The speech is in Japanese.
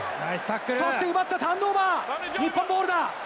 そして奪ったターンオーバー、日本ボールだ。